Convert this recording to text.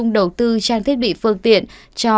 ngón tay trỏ ngón tay trỏ